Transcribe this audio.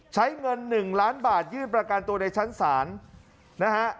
ใช้เงิน๑ล้านบาทยื่นประกันตัวในชั้นศาลนะฮะ